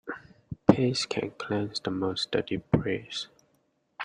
Paste can cleanse the most dirty brass.